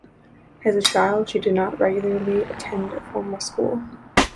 As a child she did not regularly attend a formal school.